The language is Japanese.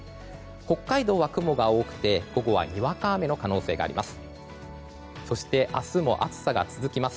北海道は雲が多くて午後、にわか雨の可能性があります。